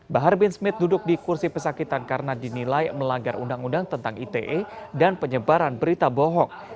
bahar bin smith duduk di kursi pesakitan karena dinilai melanggar undang undang tentang ite dan penyebaran berita bohong